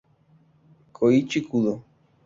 Koichi Kudo